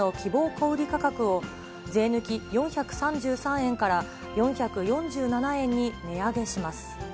小売り価格を、税抜き４３３円から４４７円に値上げします。